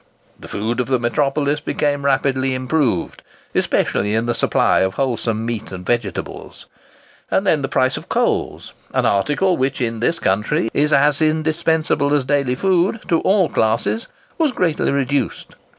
The food of the metropolis became rapidly improved, especially in the supply of wholesome meat and vegetables. And then the price of coals—an article which, in this country, is as indispensable as daily food to all classes—was greatly reduced.